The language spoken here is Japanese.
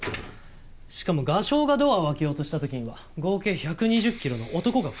しかも画商がドアを開けようとした時には合計１２０キロの男が２人立っていたんだ。